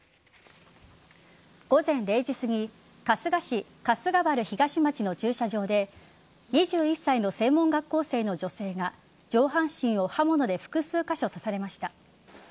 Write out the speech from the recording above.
午前０時すぎ春日市春日原東町の駐車場で２１歳の専門学校生の女性が上半身を刃物で複数カ所刺されました。